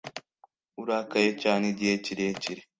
urakaye cyane igihe kirekire